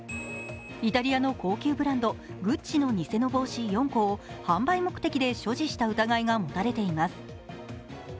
イタリアの高級ブランド、グッチの偽の帽子４個を販売目的で所持した疑いが持たれています。